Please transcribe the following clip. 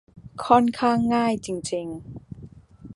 ค่อนข้างง่ายจริง ๆ